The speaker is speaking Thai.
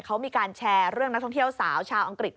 เขามีการแชร์เรื่องนักท่องเที่ยวสาวชาวอังกฤษ